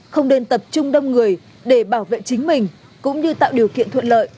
không nên tập trung đông người để bảo vệ chính mình cũng như tạo điều kiện thuận lợi